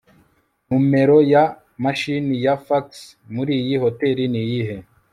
numero ya mashini ya fax muriyi hoteri niyihe